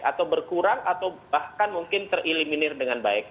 atau berkurang atau bahkan mungkin tereliminir dengan baik